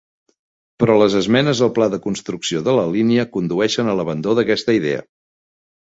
Però les esmenes al pla de construcció de la línia condueixen a l'abandó d'aquesta idea.